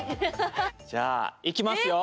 じゃあいきますよ。